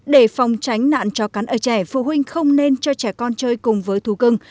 để phòng tránh nạn chó cắn ở trẻ phụ huynh không nên cho trẻ con chơi cùng với thú cưng